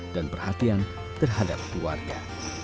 dan perhatian terhadap keluarga